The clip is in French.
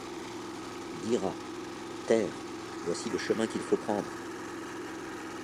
Dira : terre, voici le chemin qu’il faut prendre